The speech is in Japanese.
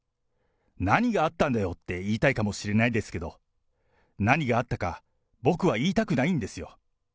何があったんだよって言いたいかもしれないですけど、何があったか、僕は言いたくないんですよ。